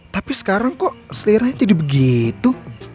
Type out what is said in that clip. tapi sekarang kok seleranya jadi begitu